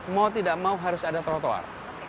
mau tidak mau harus ada trotoar